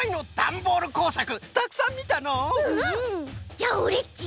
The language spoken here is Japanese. じゃあオレっち